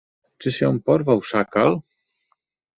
Czyż ją porwał szakal?